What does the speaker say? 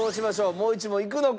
もう一問いくのか？